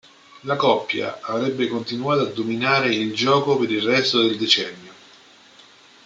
La coppia avrebbe continuato a dominare il gioco per il resto del decennio.